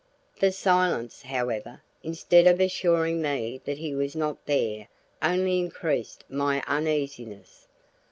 The silence, however, instead of assuring me that he was not there only increased my uneasiness.